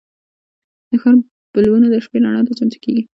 د ښار بلبونه د شپې رڼا ته چمتو کېږي.